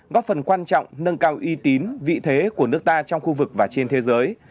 góp phần quan trọng nâng cao uy tín vị thế của nước ta trong khu vực và trên thế giới